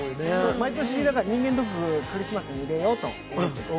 毎年、人間ドックをクリスマスに入れようと。